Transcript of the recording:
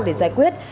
để giải quyết